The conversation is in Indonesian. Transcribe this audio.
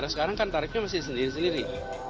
sekarang kan tarifnya masih sendiri sendiri